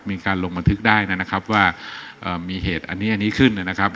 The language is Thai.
มีการลงบันทึกได้นะครับว่ามีเหตุอันนี้อันนี้ขึ้นนะครับ